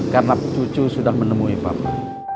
karena cucu sudah menemui papa